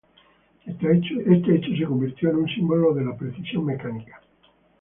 Este hecho se convirtió en un símbolo de la precisión mecánica.